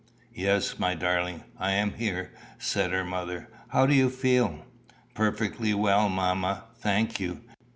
"Yes, my darling. I am here," said her mother. "How do you feel?" "Perfectly well, mamma, thank you.